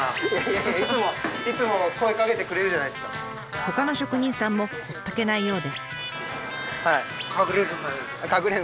ほかの職人さんもほっとけないようで。